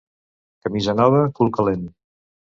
Camisa nova, cul calent.